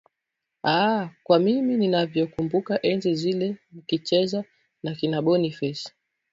aa kwa mimi ninavyo kumbuka enzi zile mkicheza na kina boniface